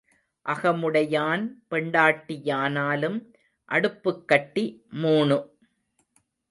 அகமுடையான் பெண்டாட்டியானாலும் அடுப்புக்கட்டி மூணு.